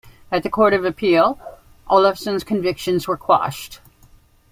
At the court of appeal, Olofsson's convictions were quashed.